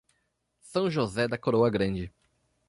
São José da Coroa Grande